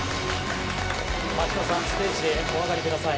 真人さん、ステージへお上がりください。